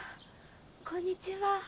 こんにちは。